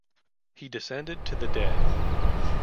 He descended to the dead.